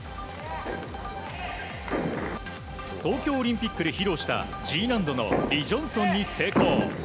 東京オリンピックで披露したＧ難度のリ・ジョンソンに成功。